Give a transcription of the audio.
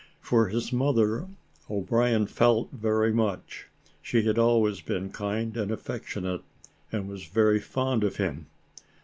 For his mother O'Brien felt very much; she had always been kind and affectionate, and was very fond of him.